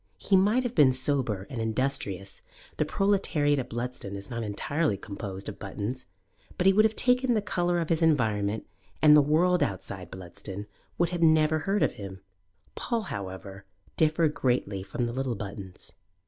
He might have been sober and industrious the proletariat of Bludston is not entirely composed of Buttons but he would have taken the colour of his environment, and the world outside Bludston would never have heard of him. Paul, however, differed greatly from the little Buttons.